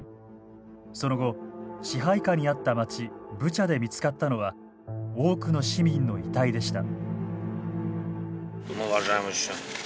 その後支配下にあった町ブチャで見つかったのは多くの市民の遺体でした。